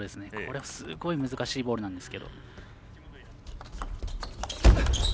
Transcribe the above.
これはすごい難しいボールなんですが。